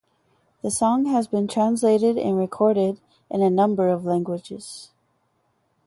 The song has been translated and recorded in a number of languages.